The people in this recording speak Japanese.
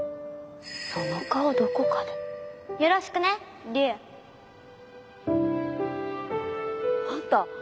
その顔どこかでよろしくね龍あんた